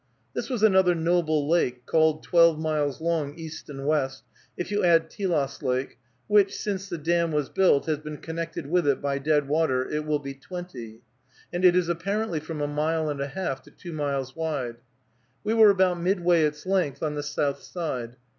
This was another noble lake, called twelve miles long, east and west; if you add Telos Lake, which, since the dam was built, has been connected with it by dead water, it will be twenty; and it is apparently from a mile and a half to two miles wide. We were about midway its length, on the south side.